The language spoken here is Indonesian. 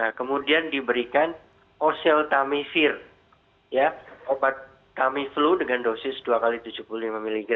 nah kemudian diberikan oseltamivir obat tamiflu dengan dosis dua x tujuh puluh lima mg